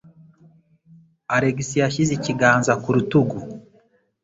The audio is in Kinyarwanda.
Alex yashyize ikiganza ku rutugu.